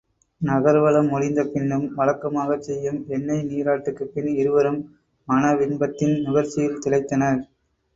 நகர்வலம் முடிந்த பின்னும் வழக்கமாகச் செய்யும் எண்ணெய் நீராட்டுக்குப்பின் இருவரும் மணவின்பத்தின் நுகர்ச்சியில் திளைத்தனர்.